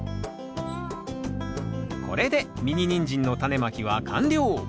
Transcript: これでミニニンジンのタネまきは完了。